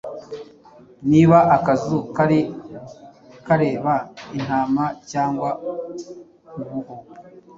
Niba Akazu kari kareba, Intama cyangwa Ubuho